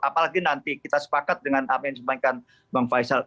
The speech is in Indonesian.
apalagi nanti kita sepakat dengan apa yang disampaikan bang faisal